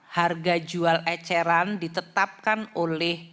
harga jual eceran ditetapkan oleh